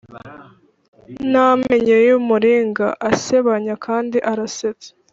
n'amenyo yumuringa asebanya kandi arasetsa